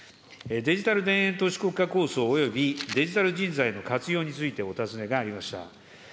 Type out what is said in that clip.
デジタル田園都市国家構想およびデジタル人材の活用についてお尋ねがありました。